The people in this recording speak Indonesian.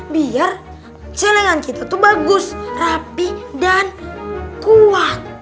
biar celengan kita tuh bagus rapih dan kuat